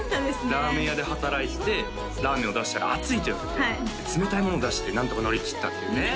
ラーメン屋で働いててラーメンを出したら熱いと言われて冷たいもの出して何とか乗り切ったっていうね